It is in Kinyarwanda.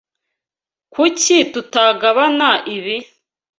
Kuki tutagabana ibi?